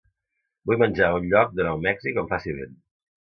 Vull menjar a un lloc de Nou Mèxic on faci vent